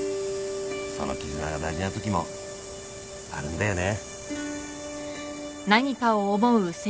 その絆が大事なときもあるんだよね。